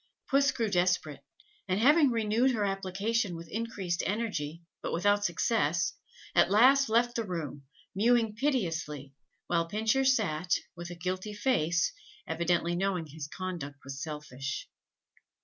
Puss grew desperate, and having renewed her application with increased energy, but without success, at last left the room, mewing piteously, while Pincher sat, with a guilty face, evidently knowing his conduct was selfish.